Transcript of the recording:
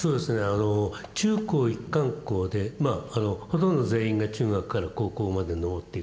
あの中高一貫校でほとんど全員が中学から高校まで上っていくと。